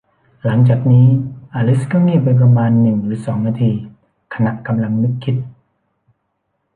หลังจากนี้ อลิซก็เงียบไปประมาณหนึ่งหรือสองนาที ขณะกำลังนึกคิด